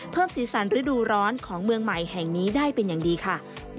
สีสันฤดูร้อนของเมืองใหม่แห่งนี้ได้เป็นอย่างดีค่ะ